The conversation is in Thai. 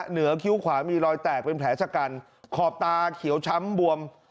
คิ้วขวามีรอยแตกเป็นแผลชะกันขอบตาเขียวช้ำบวม